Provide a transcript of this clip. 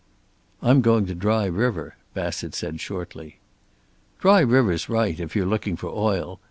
"I'm going to Dry River," Bassett said shortly. "Dry River's right, if you're looking for oil!